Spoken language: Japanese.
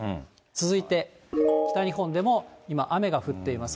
続いて、北日本でも今、雨が降っています。